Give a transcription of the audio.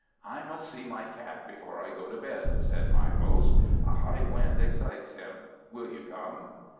"I must see my cat before I go to bed," said my host. "A high wind excites him. Will you come?"